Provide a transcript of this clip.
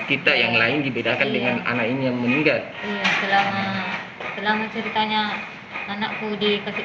kita yang lain dibedakan dengan anak ini yang meninggal selama selama ceritanya anakku dikasih